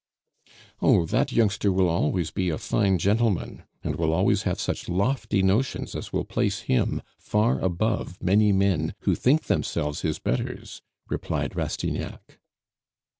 "Oh, that youngster will always be a fine gentleman, and will always have such lofty notions as will place him far above many men who think themselves his betters," replied Rastignac.